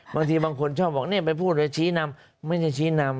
บางทีบางคนชอบบอกเนี่ยไปพูดไปชี้นำไม่ใช่ชี้นำ